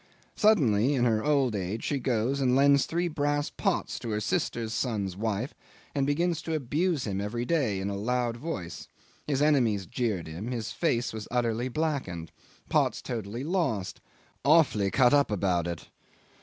Suddenly in her old age she goes and lends three brass pots to her sister's son's wife, and begins to abuse him every day in a loud voice. His enemies jeered at him; his face was utterly blackened. Pots totally lost. Awfully cut up about it.